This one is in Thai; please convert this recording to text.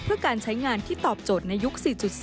เพื่อการใช้งานที่ตอบโจทย์ในยุค๔๔